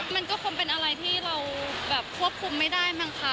มันก็คงเป็นอะไรที่เราแบบควบคุมไม่ได้มั้งคะ